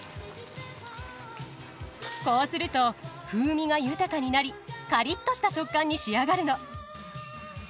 こうすると風味が豊かになりカリッとした食感に仕上がるの。